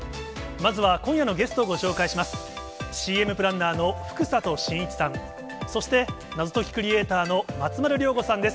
まずは今夜のゲストをご紹介します。